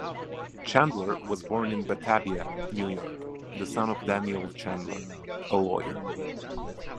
Chandler was born in Batavia, New York, the son of Daniel Chandler, a lawyer.